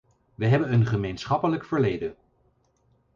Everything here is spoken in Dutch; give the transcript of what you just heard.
We hebben een gemeenschappelijk verleden.